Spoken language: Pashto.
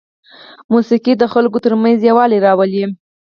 موسیقي د خلکو ترمنځ یووالی راولي.